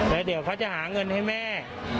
แล้วเดี๋ยวเขาจะหาเงินให้แม่